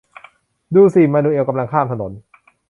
ดูสิ มานูเอลกำลังข้ามถนน